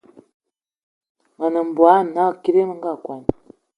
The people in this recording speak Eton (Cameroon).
Me nem mbogue ana kiri me nga kwan